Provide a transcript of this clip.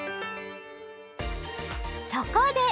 そこで！